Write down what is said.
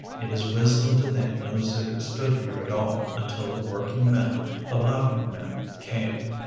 It is wisdom to think no city stood here at all until the working men, the laughing men, came.